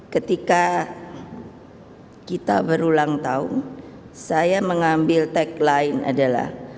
ketika kita berulang tahun saya mengambil tagline adalah